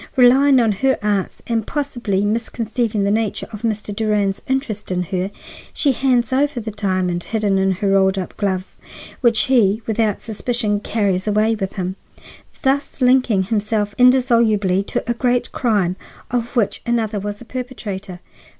Relying on her arts, and possibly misconceiving the nature of Mr. Durand's interest in her, she hands over the diamond hidden in her rolled up gloves, which he, without suspicion, carries away with him, thus linking himself indissolubly to a great crime of which another was the perpetrator.